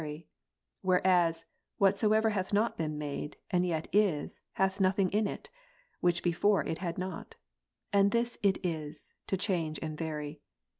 229 Whereas w'hatsoever hath not been made, and yet is, hath nothing in it, which before it had not ; and this it is, to change and vary.